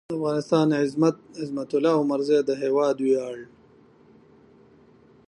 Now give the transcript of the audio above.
د افغانستان عظمت؛ عظمت الله عمرزی د هېواد وېاړ